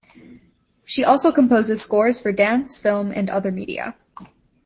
She also composes scores for dance, film and other media.